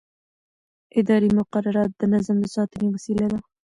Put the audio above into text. اداري مقررات د نظم د ساتنې وسیله ده.